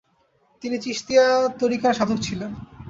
তিনি চিশ্তিয়া তরিকার সাধক ছিলেন।